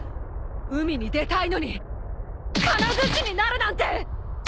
海に出たいのにカナヅチになるなんて！